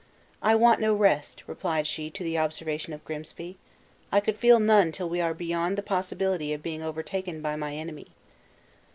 "I want no rest," replied she to the observation of Grimsby; "I could feel none till we are beyond the possibility of being overtaken by my enemy."